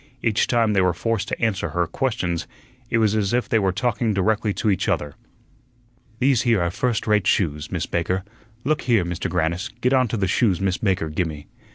Each time they were forced to answer her questions it was as if they were talking directly to each other. "These here are first rate shoes, Miss Baker. Look here, Mister Grannis, get on to the shoes Miss Baker gi' me.